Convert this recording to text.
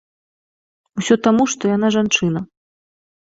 Усё таму, што яна жанчына.